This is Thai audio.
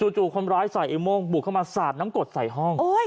จู่คนร้ายใส่ไอ้โม่งบุกเข้ามาสาดน้ำกดใส่ห้อง